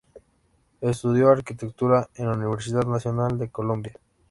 Estudió arquitectura en la Universidad Nacional de Colombia.